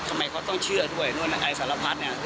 แต่ถามว่าอยากจะตีเขาก็ไม่ได้อย่างนี้หรอก